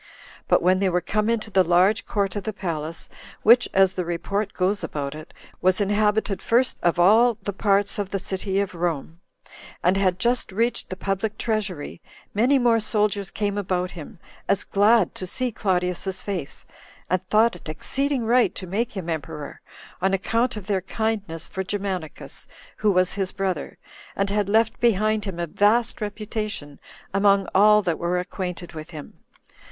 But when they were come into the large court of the palace, [which, as the report goes about it, was inhabited first of all the parts of the city of Rome,] and had just reached the public treasury, many more soldiers came about him, as glad to see Claudius's face, and thought it exceeding right to make him emperor, on account of their kindness for Germanicus, who was his brother, and had left behind him a vast reputation among all that were acquainted with him.